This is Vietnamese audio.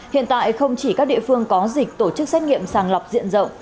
hiện tại không chỉ các địa phương có dịch tổ chức xét nghiệm sàng lọc diện rộng